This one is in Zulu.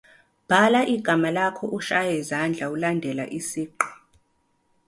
Bhala igama lakho ushaye izandla ulandela isigqi.